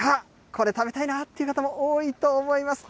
これ、食べたいなっていう方も多いと思います。